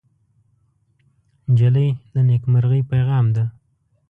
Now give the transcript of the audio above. نجلۍ د نیکمرغۍ پېغام ده.